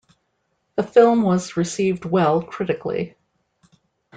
The film was received well critically.